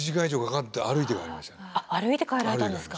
あっ歩いて帰られたんですか。